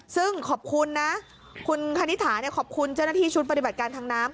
ซึ่งขอบคุณนะคุณคณิตถาขอบคุณเจ้าหน้าที่ชุดปฏิบัติการทางน้ำ